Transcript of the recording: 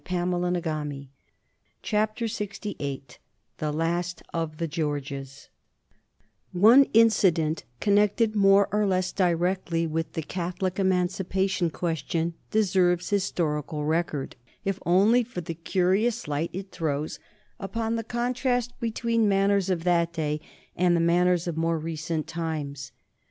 [Sidenote: 1829 Wellington fights Lord Winchilsea] One incident connected more or less directly with the Catholic Emancipation question deserves historical record, if only for the curious light it throws upon the contrast between the manners of that day and the manners of more recent times.